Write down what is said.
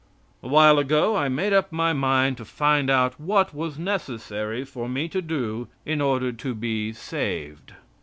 A while ago I made up my mind to find out what was necessary for me to do in order to be saved.